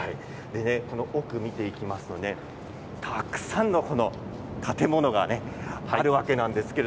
この奥を見ていきますとたくさんの建物があるわけなんです。